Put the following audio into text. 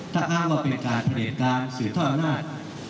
ถ้าอ้างว่าเป็นการเทรดการศึกษาอำนาจ